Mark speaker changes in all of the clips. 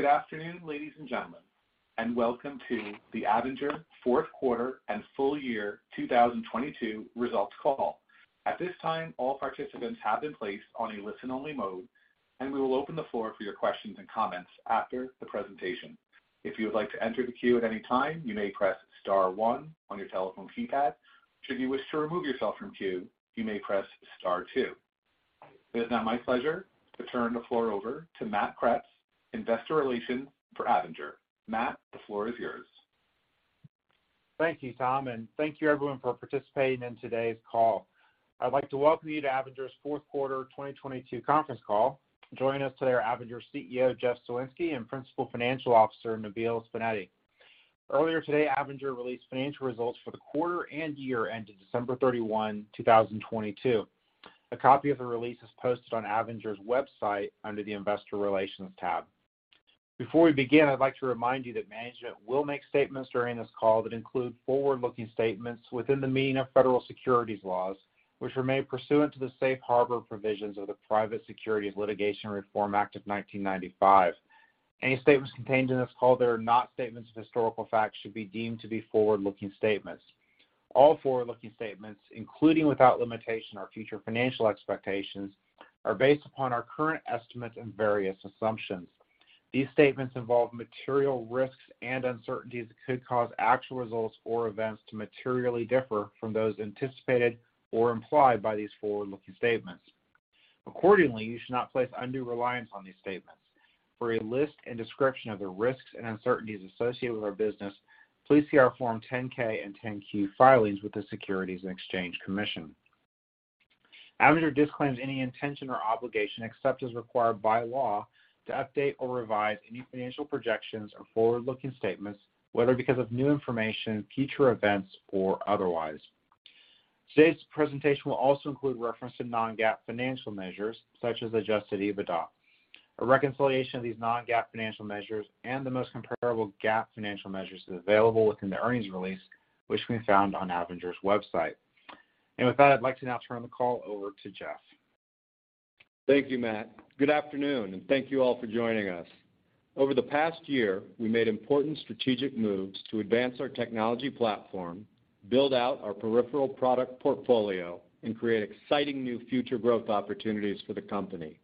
Speaker 1: Good afternoon, ladies and gentlemen, and welcome to the Avinger fourth quarter and full year 2022 results call. At this time, all participants have been placed on a listen-only mode, and we will open the floor for your questions and comments after the presentation. If you would like to enter the queue at any time, you may press star one on your telephone keypad. Should you wish to remove yourself from queue, you may press star two. It is now my pleasure to turn the floor over to Matt Kreps, Investor Relations for Avinger. Matt, the floor is yours.
Speaker 2: Thank you, Tom. Thank you everyone for participating in today's call. I'd like to welcome you to Avinger's fourth quarter 2022 conference call. Joining us today are Avinger's CEO, Jeff Soinski, and Principal Financial Officer, Nabeel Subainati. Earlier today, Avinger released financial results for the quarter and year ended December 31, 2022. A copy of the release is posted on Avinger's website under the Investor Relations tab. Before we begin, I'd like to remind you that management will make statements during this call that include forward-looking statements within the meaning of federal securities laws, which were made pursuant to the safe harbor provisions of the Private Securities Litigation Reform Act of 1995. Any statements contained in this call that are not statements of historical facts should be deemed to be forward-looking statements. All forward-looking statements, including without limitation our future financial expectations, are based upon our current estimates and various assumptions. These statements involve material risks and uncertainties that could cause actual results or events to materially differ from those anticipated or implied by these forward-looking statements. Accordingly, you should not place undue reliance on these statements. For a list and description of the risks and uncertainties associated with our business, please see our Form 10-K and 10-Q filings with the Securities and Exchange Commission. Avinger disclaims any intention or obligation, except as required by law, to update or revise any financial projections or forward-looking statements, whether because of new information, future events, or otherwise. Today's presentation will also include reference to non-GAAP financial measures, such as adjusted EBITDA. A reconciliation of these non-GAAP financial measures and the most comparable GAAP financial measures is available within the earnings release, which can be found on Avinger's website. With that, I'd like to now turn the call over to Jeff.
Speaker 3: Thank you, Matt. Good afternoon, and thank you all for joining us. Over the past year, we made important strategic moves to advance our technology platform, build out our peripheral product portfolio, and create exciting new future growth opportunities for the company.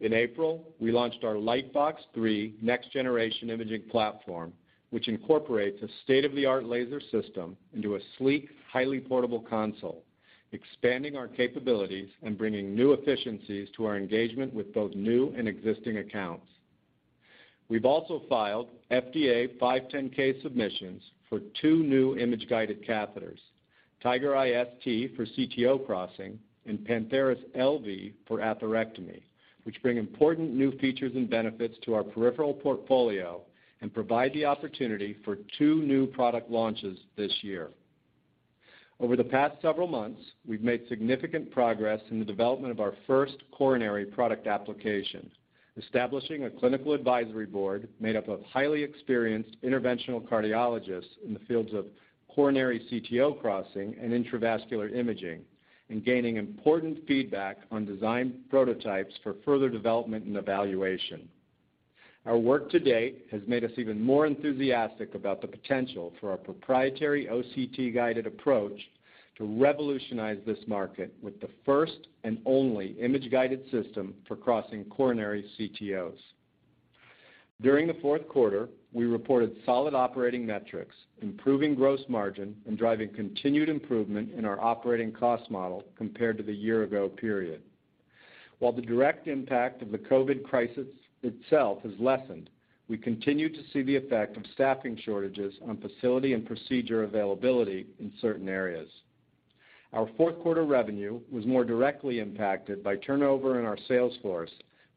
Speaker 3: In April, we launched our Lightbox 3 next-generation imaging platform, which incorporates a state-of-the-art laser system into a sleek, highly portable console, expanding our capabilities and bringing new efficiencies to our engagement with both new and existing accounts. We've also filed FDA 510(k) submissions for two new image-guided catheters, Tigereye ST for CTO crossing and Pantheris LV for atherectomy, which bring important new features and benefits to our peripheral portfolio and provide the opportunity for two new product launches this year. Over the past several months, we've made significant progress in the development of our first coronary product application, establishing a clinical advisory board made up of highly experienced interventional cardiologists in the fields of coronary CTO crossing and intravascular imaging and gaining important feedback on design prototypes for further development and evaluation. Our work to date has made us even more enthusiastic about the potential for our proprietary OCT-guided approach to revolutionize this market with the first and only image-guided system for crossing coronary CTOs. During the fourth quarter, we reported solid operating metrics, improving gross margin and driving continued improvement in our operating cost model compared to the year ago period. While the direct impact of the COVID crisis itself has lessened, we continue to see the effect of staffing shortages on facility and procedure availability in certain areas. Our fourth quarter revenue was more directly impacted by turnover in our sales force,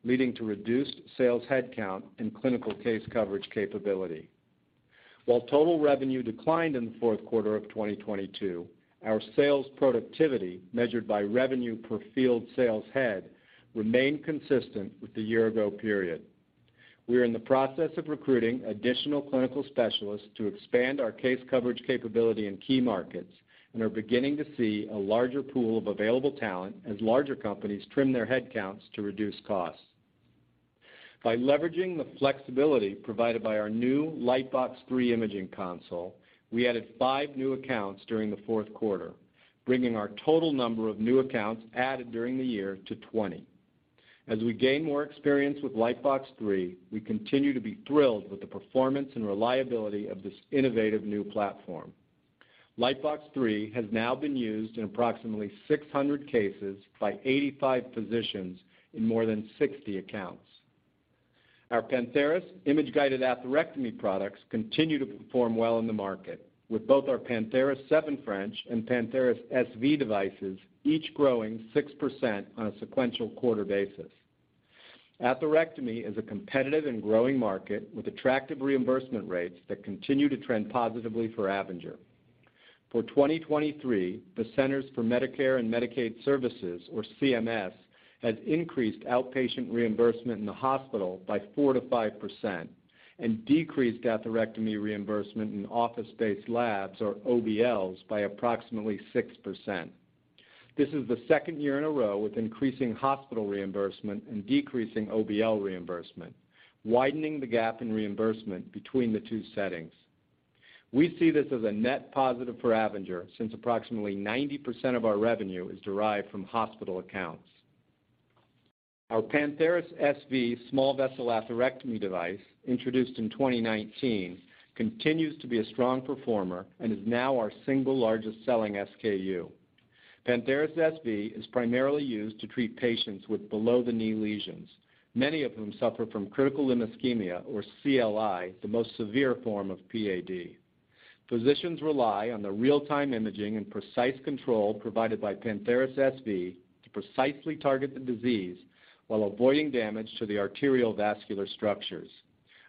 Speaker 3: leading to reduced sales headcount and clinical case coverage capability. While total revenue declined in the fourth quarter of 2022, our sales productivity, measured by revenue per field sales head, remained consistent with the year ago period. We are in the process of recruiting additional clinical specialists to expand our case coverage capability in key markets and are beginning to see a larger pool of available talent as larger companies trim their headcounts to reduce costs. By leveraging the flexibility provided by our new Lightbox 3 imaging console, we added five new accounts during the fourth quarter, bringing our total number of new accounts added during the year to 20. As we gain more experience with Lightbox 3, we continue to be thrilled with the performance and reliability of this innovative new platform. Lightbox 3 has now been used in approximately 600 cases by 85 physicians in more than 60 accounts. Our Pantheris image-guided atherectomy products continue to perform well in the market, with both our Pantheris 7 French and Pantheris SV devices each growing 6% on a sequential quarter basis. Atherectomy is a competitive and growing market with attractive reimbursement rates that continue to trend positively for Avinger. For 2023, the Centers for Medicare & Medicaid Services, or CMS, has increased outpatient reimbursement in the hospital by 4%-5% and decreased atherectomy reimbursement in office-based labs, or OBLs, by approximately 6%. This is the second year in a row with increasing hospital reimbursement and decreasing OBL reimbursement, widening the gap in reimbursement between the two settings. We see this as a net positive for Avinger since approximately 90% of our revenue is derived from hospital accounts. Our Pantheris SV small vessel atherectomy device, introduced in 2019, continues to be a strong performer and is now our single largest selling SKU. Pantheris SV is primarily used to treat patients with below-the-knee lesions, many of whom suffer from critical limb ischemia or CLI, the most severe form of PAD. Physicians rely on the real-time imaging and precise control provided by Pantheris SV to precisely target the disease while avoiding damage to the arterial vascular structures,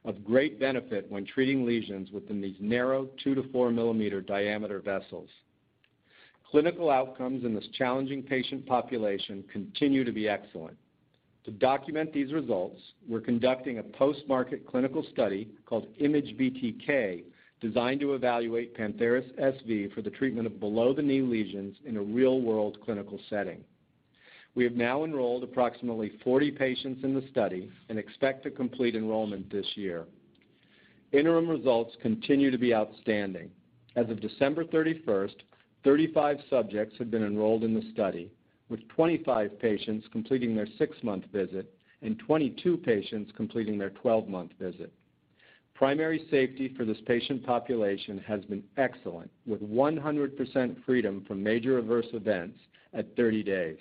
Speaker 3: of great benefit when treating lesions within these narrow 2-4 millimeter diameter vessels. Clinical outcomes in this challenging patient population continue to be excellent. To document these results, we're conducting a post-market clinical study called IMAGE-BTK, designed to evaluate Pantheris SV for the treatment of below-the-knee lesions in a real-world clinical setting. We have now enrolled approximately 40 patients in the study and expect to complete enrollment this year. Interim results continue to be outstanding. As of December 31st, 35 subjects have been enrolled in the study, with 25 patients completing their 6-month visit and 22 patients completing their 12-month visit. Primary safety for this patient population has been excellent, with 100% freedom from major adverse events at 30 days.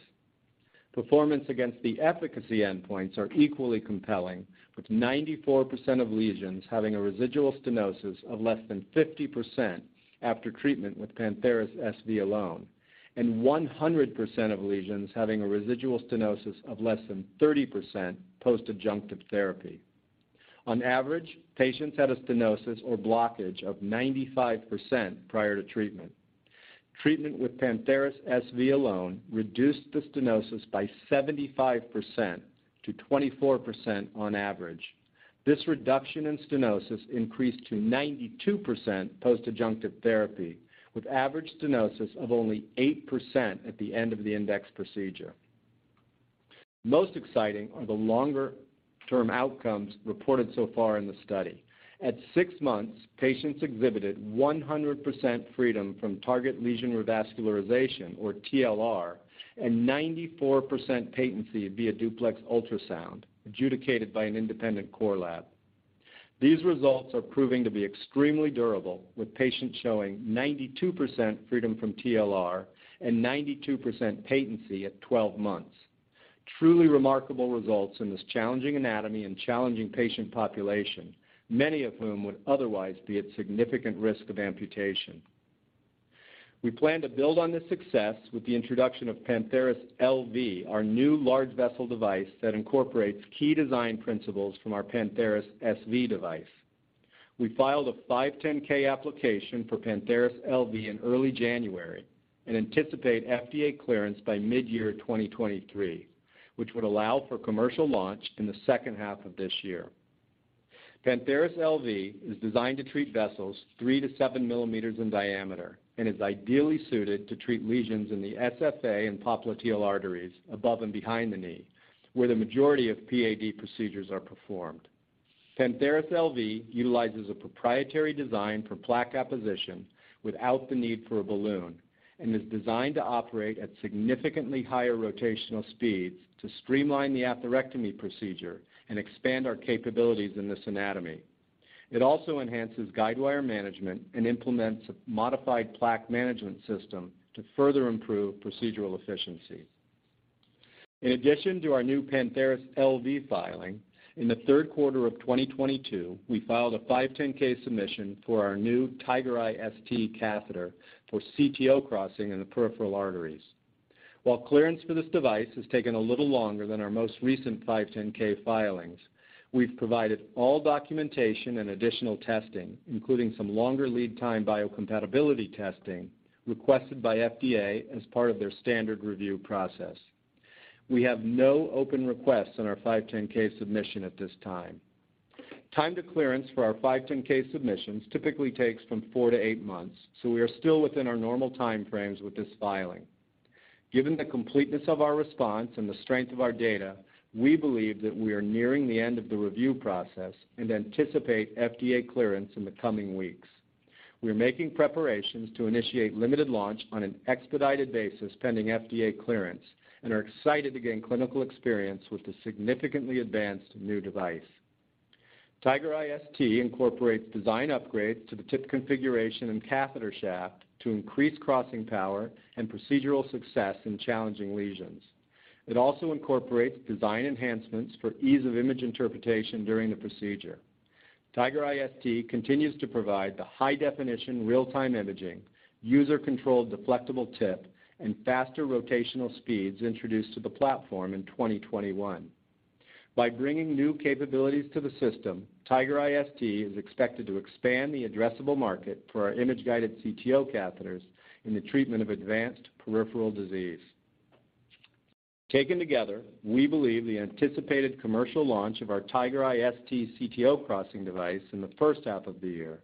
Speaker 3: Performance against the efficacy endpoints are equally compelling, with 94% of lesions having a residual stenosis of less than 50% after treatment with Pantheris SV alone, and 100% of lesions having a residual stenosis of less than 30% post-adjunctive therapy. On average, patients had a stenosis or blockage of 95% prior to treatment. Treatment with Pantheris SV alone reduced the stenosis by 75% to 24% on average. This reduction in stenosis increased to 92% post-adjunctive therapy, with average stenosis of only 8% at the end of the index procedure. Most exciting are the longer term outcomes reported so far in the study. At six months, patients exhibited 100% freedom from target lesion revascularization, or TLR, and 94% patency via duplex ultrasound adjudicated by an independent core lab. These results are proving to be extremely durable, with patients showing 92% freedom from TLR and 92% patency at 12 months. Truly remarkable results in this challenging anatomy and challenging patient population, many of whom would otherwise be at significant risk of amputation. We plan to build on this success with the introduction of Pantheris LV, our new large vessel device that incorporates key design principles from our Pantheris SV device. We filed a 510(k) application for Pantheris LV in early January and anticipate FDA clearance by mid-year 2023, which would allow for commercial launch in the second half of this year. Pantheris LV is designed to treat vessels 3 to 7 millimeters in diameter and is ideally suited to treat lesions in the SFA and popliteal arteries above and behind the knee, where the majority of PAD procedures are performed. Pantheris LV utilizes a proprietary design for plaque apposition without the need for a balloon and is designed to operate at significantly higher rotational speeds to streamline the atherectomy procedure and expand our capabilities in this anatomy. It also enhances guide wire management and implements a modified plaque management system to further improve procedural efficiency. In addition to our new Pantheris LV filing, in the third quarter of 2022, we filed a 510(k) submission for our new Tigereye ST catheter for CTO crossing in the peripheral arteries. Clearance for this device has taken a little longer than our most recent 510(k) filings, we've provided all documentation and additional testing, including some longer lead time biocompatibility testing, requested by FDA as part of their standard review process. We have no open requests on our 510(k) submission at this time. Time to clearance for our 510(k) submissions typically takes from 4-8 months. We are still within our normal time frames with this filing. Given the completeness of our response and the strength of our data, we believe that we are nearing the end of the review process and anticipate FDA clearance in the coming weeks. We're making preparations to initiate limited launch on an expedited basis pending FDA clearance and are excited to gain clinical experience with the significantly advanced new device. Tigereye ST incorporates design upgrades to the tip configuration and catheter shaft to increase crossing power and procedural success in challenging lesions. It also incorporates design enhancements for ease of image interpretation during the procedure. Tigereye ST continues to provide the high-definition real-time imaging, user-controlled deflectable tip, and faster rotational speeds introduced to the platform in 2021. By bringing new capabilities to the system, Tigereye ST is expected to expand the addressable market for our image-guided CTO catheters in the treatment of advanced peripheral disease. Taken together, we believe the anticipated commercial launch of our Tigereye ST CTO crossing device in the first half of the year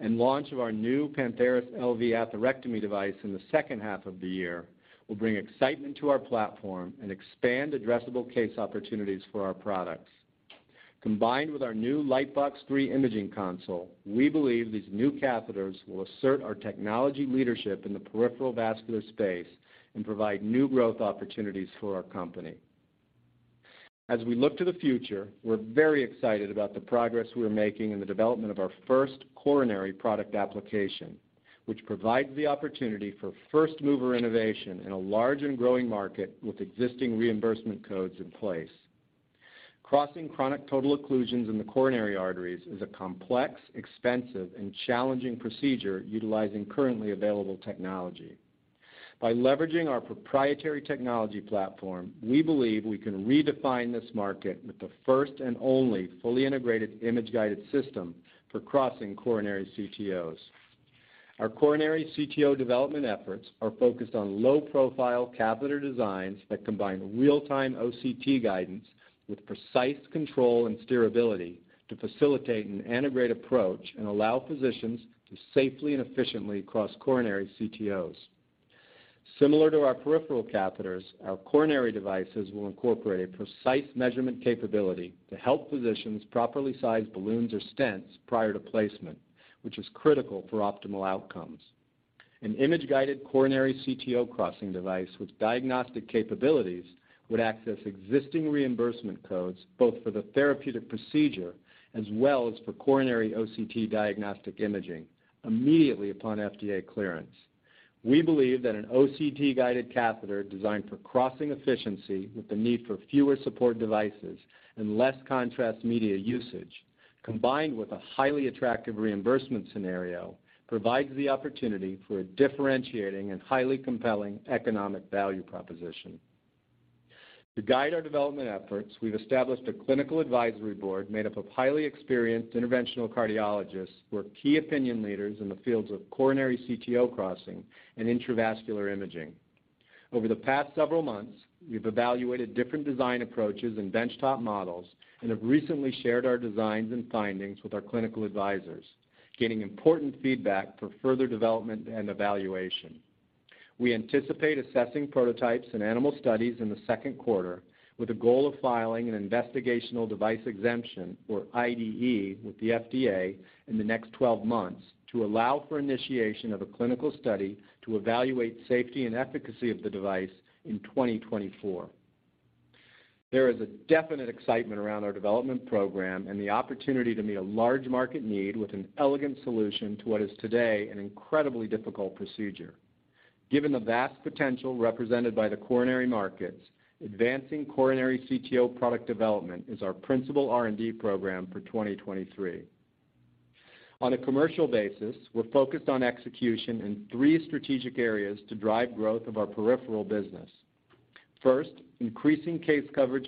Speaker 3: and launch of our new Pantheris LV atherectomy device in the second half of the year will bring excitement to our platform and expand addressable case opportunities for our products. Combined with our new Lightbox 3 imaging console, we believe these new catheters will assert our technology leadership in the peripheral vascular space and provide new growth opportunities for our company. As we look to the future, we're very excited about the progress we're making in the development of our first coronary product application, which provides the opportunity for first-mover innovation in a large and growing market with existing reimbursement codes in place. Crossing chronic total occlusions in the coronary arteries is a complex, expensive, and challenging procedure utilizing currently available technology. By leveraging our proprietary technology platform, we believe we can redefine this market with the first and only fully integrated image-guided system for crossing coronary CTOs. Our coronary CTO development efforts are focused on low-profile catheter designs that combine real-time OCT guidance with precise control and steerability to facilitate an integrated approach and allow physicians to safely and efficiently cross coronary CTOs. Similar to our peripheral catheters, our coronary devices will incorporate a precise measurement capability to help physicians properly size balloons or stents prior to placement, which is critical for optimal outcomes. An image-guided coronary CTO crossing device with diagnostic capabilities would access existing reimbursement codes, both for the therapeutic procedure as well as for coronary OCT diagnostic imaging immediately upon FDA clearance. We believe that an OCT-guided catheter designed for crossing efficiency with the need for fewer support devices and less contrast media usage, combined with a highly attractive reimbursement scenario, provides the opportunity for a differentiating and highly compelling economic value proposition. To guide our development efforts, we've established a clinical advisory board made up of highly experienced interventional cardiologists who are key opinion leaders in the fields of coronary CTO crossing and intravascular imaging. Over the past several months, we've evaluated different design approaches and benchtop models, have recently shared our designs and findings with our clinical advisors, gaining important feedback for further development and evaluation. We anticipate assessing prototypes and animal studies in the second quarter, with a goal of filing an investigational device exemption, or IDE, with the FDA in the next 12 months to allow for initiation of a clinical study to evaluate safety and efficacy of the device in 2024. There is a definite excitement around our development program and the opportunity to meet a large market need with an elegant solution to what is today an incredibly difficult procedure. Given the vast potential represented by the coronary markets, advancing coronary CTO product development is our principal R&D program for 2023. On a commercial basis, we're focused on execution in three strategic areas to drive growth of our peripheral business. First, increasing case coverage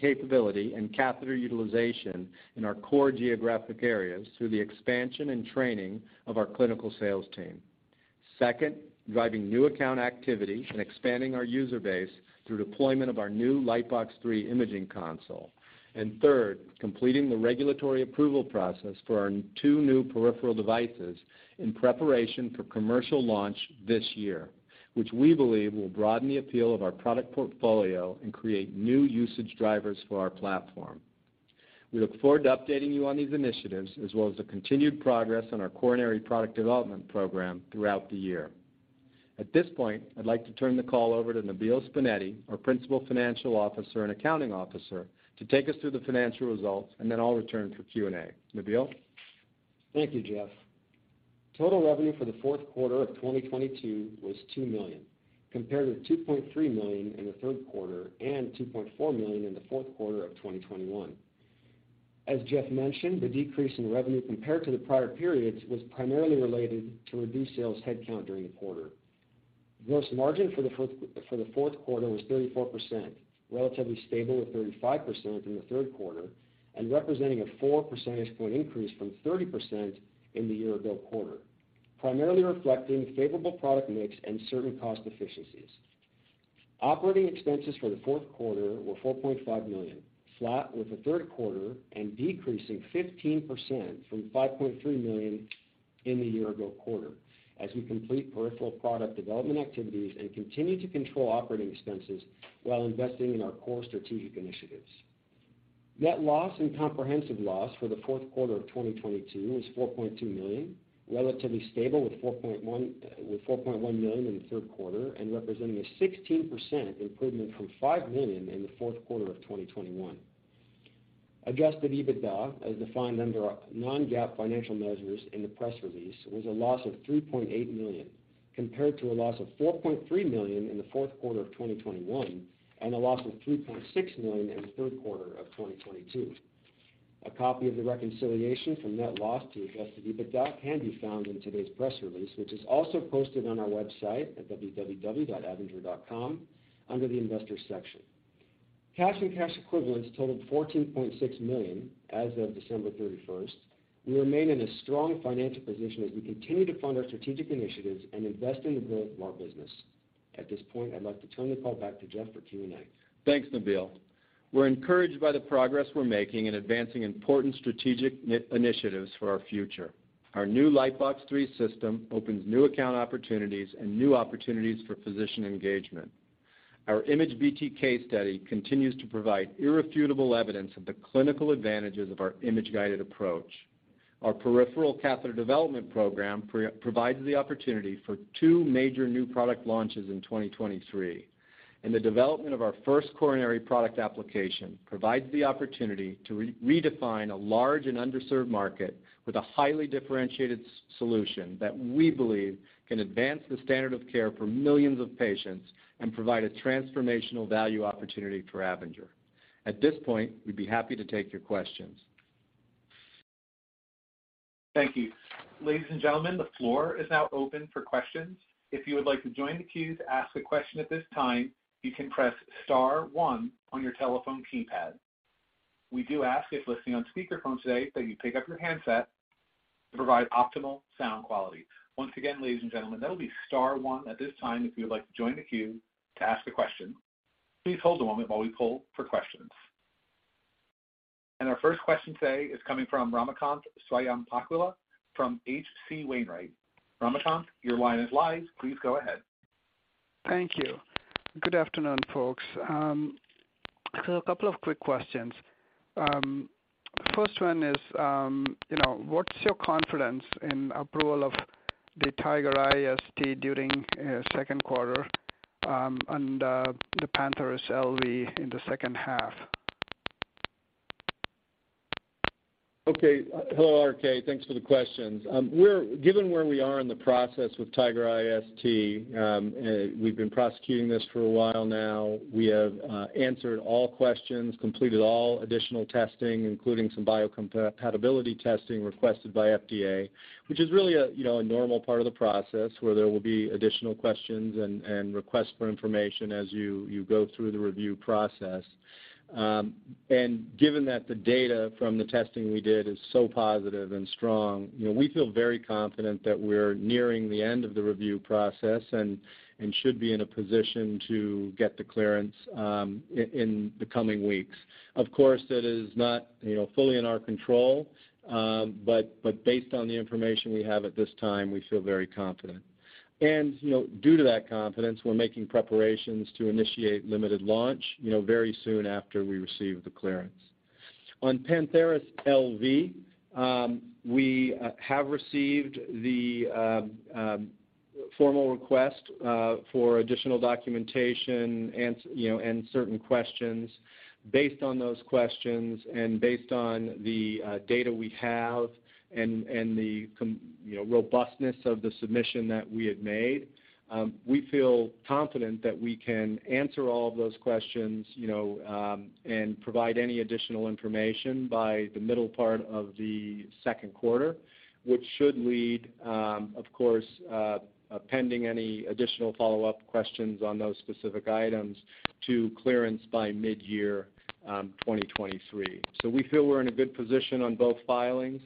Speaker 3: capability and catheter utilization in our core geographic areas through the expansion and training of our clinical sales team. Second, driving new account activity and expanding our user base through deployment of our new Lightbox 3 imaging console. And third, completing the regulatory approval process for our two new peripheral devices in preparation for commercial launch this year, which we believe will broaden the appeal of our product portfolio and create new usage drivers for our platform. We look forward to updating you on these initiatives as well as the continued progress on our coronary product development program throughout the year. At this point, I'd like to turn the call over to Nabeel Subainati, our Principal Financial Officer and Accounting Officer, to take us through the financial results, and then I'll return for Q&A. Nabeel?
Speaker 4: Thank you, Jeff. Total revenue for the fourth quarter of 2022 was $2 million, compared to $2.3 million in the third quarter and $2.4 million in the fourth quarter of 2021. As Jeff mentioned, the decrease in revenue compared to the prior periods was primarily related to reduced sales headcount during the quarter. Gross margin for the fourth quarter was 34%, relatively stable at 35% in the third quarter, and representing a four percentage point increase from 30% in the year-ago quarter, primarily reflecting favorable product mix and certain cost efficiencies. Operating expenses for the fourth quarter were $4.5 million, flat with the third quarter and decreasing 15% from $5.3 million in the year-ago quarter, as we complete peripheral product development activities and continue to control operating expenses while investing in our core strategic initiatives. Net loss and comprehensive loss for the fourth quarter of 2022 was $4.2 million, relatively stable with $4.1 million in the third quarter and representing a 16% improvement from $5 million in the fourth quarter of 2021. Adjusted EBITDA, as defined under our non-GAAP financial measures in the press release, was a loss of $3.8 million, compared to a loss of $4.3 million in the fourth quarter of 2021 and a loss of $3.6 million in the third quarter of 2022. A copy of the reconciliation from net loss to adjusted EBITDA can be found in today's press release, which is also posted on our website at www.avinger.com under the Investor section. Cash and cash equivalents totaled $14.6 million as of December 31st. We remain in a strong financial position as we continue to fund our strategic initiatives and invest in the growth of our business. At this point, I'd like to turn the call back to Jeff for Q&A.
Speaker 3: Thanks, Nabeel. We're encouraged by the progress we're making in advancing important strategic initiatives for our future. Our new Lightbox 3 system opens new account opportunities and new opportunities for physician engagement. Our IMAGE-BTK case study continues to provide irrefutable evidence of the clinical advantages of our image-guided approach. Our peripheral catheter development program provides the opportunity for two major new product launches in 2023, and the development of our first coronary product application provides the opportunity to redefine a large and underserved market with a highly differentiated solution that we believe can advance the standard of care for millions of patients and provide a transformational value opportunity for Avinger. At this point, we'd be happy to take your questions.
Speaker 1: Thank you. Ladies and gentlemen, the floor is now open for questions. If you would like to join the queue to ask a question at this time, you can press star one on your telephone keypad. We do ask if listening on speakerphone today that you pick up your handset to provide optimal sound quality. Once again, ladies and gentlemen, that'll be star one at this time if you would like to join the queue to ask a question. Please hold a moment while we poll for questions. Our first question today is coming from Ramakanth Swayampakula from H.C. Wainwright. Ramakanth, your line is live. Please go ahead.
Speaker 5: Thank you. Good afternoon, folks. A couple of quick questions. First one is, you know, what's your confidence in approval of the Tigereye ST during second quarter, and the Pantheris LV in the second half?
Speaker 3: Hello, RK. Thanks for the questions. Given where we are in the process with Tigereye ST, we've been prosecuting this for a while now. We have answered all questions, completed all additional testing, including some biocompatibility testing requested by FDA, which is really a, you know, a normal part of the process where there will be additional questions and requests for information as you go through the review process. Given that the data from the testing we did is so positive and strong, you know, we feel very confident that we're nearing the end of the review process and should be in a position to get the clearance in the coming weeks. Of course, it is not, you know, fully in our control, but based on the information we have at this time, we feel very confident. You know, due to that confidence, we're making preparations to initiate limited launch, you know, very soon after we receive the clearance. On Pantheris LV, we have received the formal request for additional documentation and, you know, certain questions. Based on those questions and based on the data we have and the robustness of the submission that we had made, we feel confident that we can answer all of those questions, you know, and provide any additional information by the middle part of the second quarter, which should lead, of course, pending any additional follow-up questions on those specific items to clearance by mid-year 2023. We feel we're in a good position on both filings,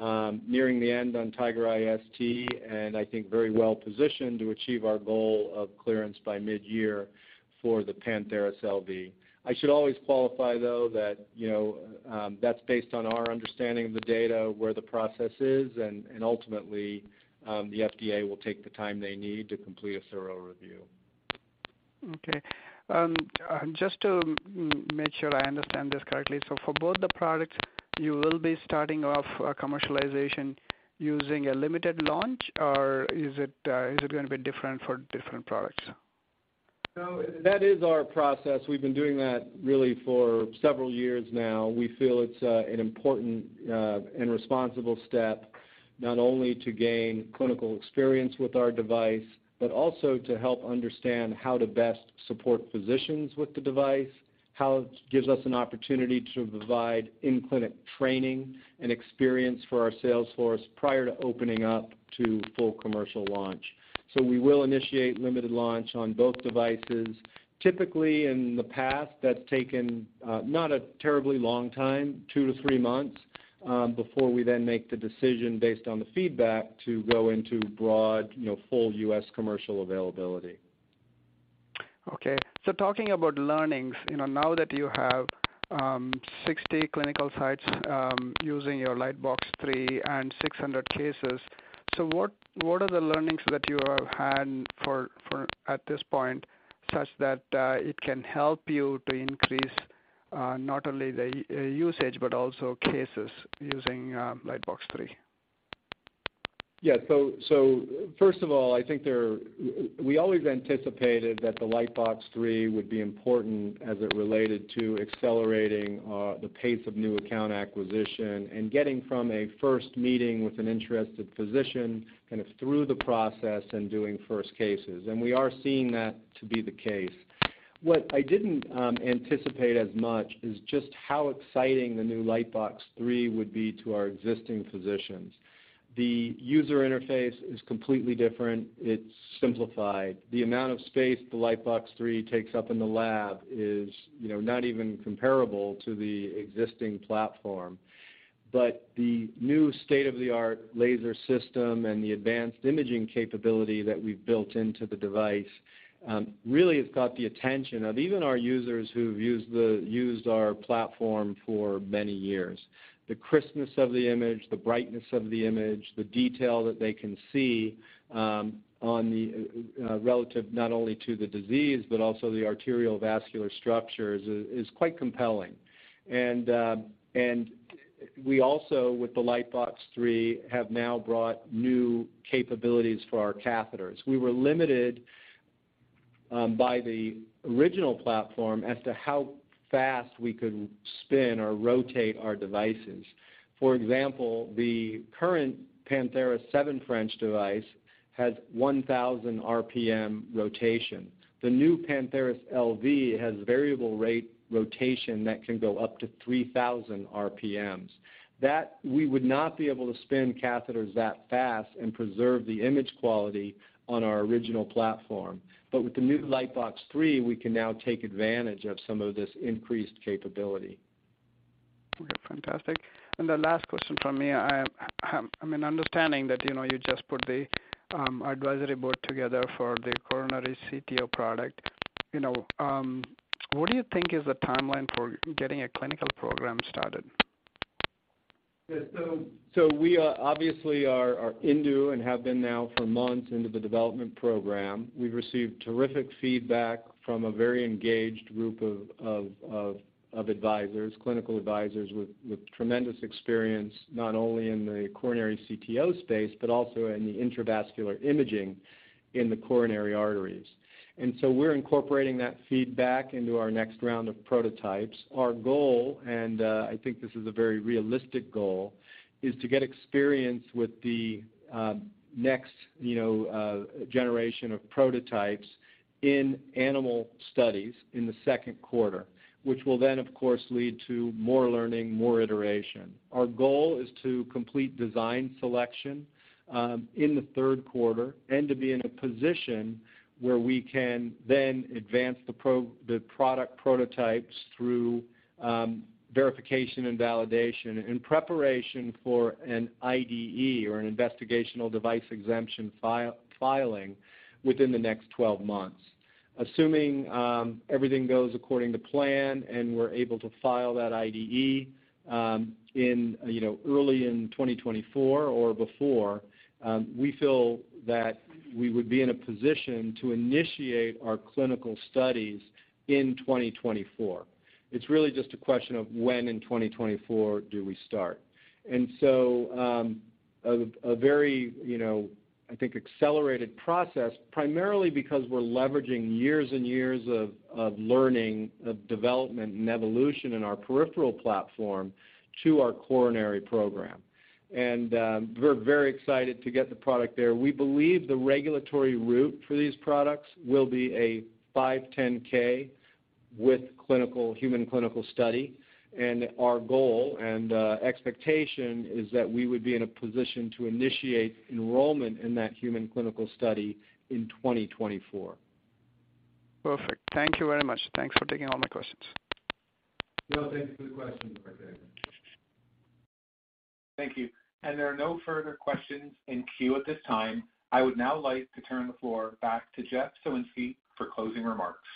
Speaker 3: nearing the end on Tigereye ST, and I think very well-positioned to achieve our goal of clearance by mid-year for the Pantheris LV. I should always qualify, though, that, you know, that's based on our understanding of the data, where the process is, and ultimately, the FDA will take the time they need to complete a thorough review.
Speaker 5: Just to make sure I understand this correctly. For both the products, you will be starting off commercialization using a limited launch? Is it gonna be different for different products?
Speaker 3: No, that is our process. We've been doing that really for several years now. We feel it's an important and responsible step not only to gain clinical experience with our device, but also to help understand how to best support physicians with the device, how it gives us an opportunity to provide in-clinic training and experience for our sales force prior to opening up to full commercial launch. We will initiate limited launch on both devices. Typically, in the past, that's taken not a terribly long time, 2-3 months, before we then make the decision based on the feedback to go into broad, you know, full U.S. commercial availability.
Speaker 5: Okay. Talking about learnings, you know, now that you have, 60 clinical sites, using your Lightbox 3 and 600 cases, so what are the learnings that you have had for at this point, such that, it can help you to increase, not only the usage but also cases using, Lightbox 3?
Speaker 3: First of all, we always anticipated that the Lightbox 3 would be important as it related to accelerating the pace of new account acquisition and getting from a first meeting with an interested physician kind of through the process and doing first cases, and we are seeing that to be the case. What I didn't anticipate as much is just how exciting the new Lightbox 3 would be to our existing physicians. The user interface is completely different. It's simplified. The amount of space the Lightbox 3 takes up in the lab is, you know, not even comparable to the existing platform. The new state-of-the-art laser system and the advanced imaging capability that we've built into the device really has got the attention of even our users who've used our platform for many years. The crispness of the image, the brightness of the image, the detail that they can see, relative not only to the disease but also the arterial vascular structures is quite compelling. We also, with the Lightbox 3, have now brought new capabilities for our catheters. We were limited by the original platform as to how fast we could spin or rotate our devices. For example, the current Pantheris 7 French device has 1,000 RPM rotation. The new Pantheris LV has variable rate rotation that can go up to 3,000 RPMs. We would not be able to spin catheters that fast and preserve the image quality on our original platform. With the new Lightbox 3, we can now take advantage of some of this increased capability.
Speaker 5: Okay, fantastic. The last question from me. I mean, understanding that, you know, you just put the advisory board together for the coronary CTO product, you know, what do you think is the timeline for getting a clinical program started?
Speaker 3: Yeah. We are obviously into and have been now for months into the development program. We've received terrific feedback from a very engaged group of advisors, clinical advisors with tremendous experience, not only in the coronary CTO space but also in the intravascular imaging in the coronary arteries. We're incorporating that feedback into our next round of prototypes. Our goal, and I think this is a very realistic goal, is to get experience with the next, you know, generation of prototypes in animal studies in the second quarter, which will then, of course, lead to more learning, more iteration. Our goal is to complete design selection in the third quarter and to be in a position where we can then advance the product prototypes through verification and validation in preparation for an IDE or an investigational device exemption filing within the next 12 months. Assuming everything goes according to plan, and we're able to file that IDE, in, you know, early in 2024 or before, we feel that we would be in a position to initiate our clinical studies in 2024. It's really just a question of when in 2024 do we start. A very, you know, I think accelerated process, primarily because we're leveraging years and years of learning, of development and evolution in our peripheral platform to our coronary program. We're very excited to get the product there. We believe the regulatory route for these products will be a 510(k) with human clinical study. Our goal and expectation is that we would be in a position to initiate enrollment in that human clinical study in 2024.
Speaker 5: Perfect. Thank you very much. Thanks for taking all my questions.
Speaker 3: No, thank you for the question, RK.
Speaker 1: Thank you. There are no further questions in queue at this time. I would now like to turn the floor back to Jeff Soinski for closing remarks.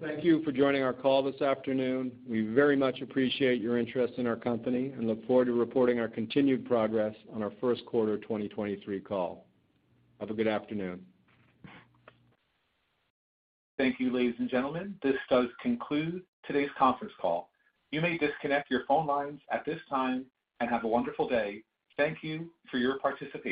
Speaker 3: Thank you for joining our call this afternoon. We very much appreciate your interest in our company and look forward to reporting our continued progress on our first quarter 2023 call. Have a good afternoon.
Speaker 1: Thank you, ladies and gentlemen. This does conclude today's conference call. You may disconnect your phone lines at this time, and have a wonderful day. Thank you for your participation.